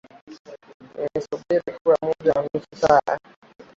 Nilisubiri kwa muda wa nusu saa.